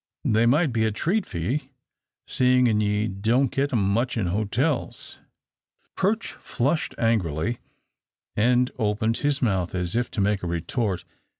They might be a treat for ye, seein' ye don't git 'em much in hotels." Perch flushed angrily and opened his mouth as if to make a retort.